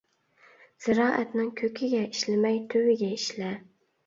زىرائەتنىڭ كۆكىگە ئىشلىمەي، تۈۋىگە ئىشلە.